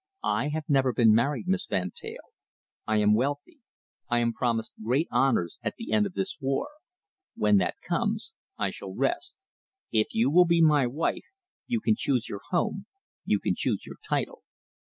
"I have never been married, Miss Van Teyl. I am wealthy. I am promised great honours at the end of this war. When that comes, I shall rest. If you will be my wife, you can choose your home, you can choose your title."